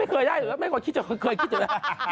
ไม่เคยได้ไม่เกินว่าเคยครับ